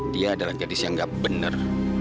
dia adalah gadis yang nggak bener